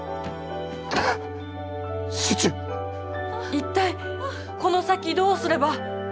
一体この先どうすれば。